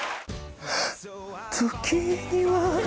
「時には」